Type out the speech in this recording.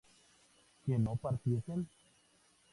¿que no partiesen?